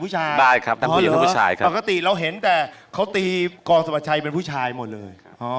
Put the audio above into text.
อ๋อเหรอปกติเราเห็นแต่เขาตีกองสมัครชัยเป็นผู้ชายหมดเลย